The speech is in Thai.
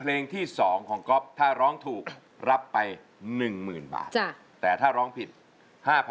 หนูก๊อฟต้องตั้งใจร้องนะคะ